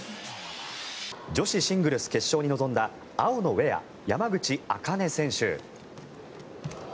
女子シングルス決勝に臨んだ青のウェア、山口茜選手。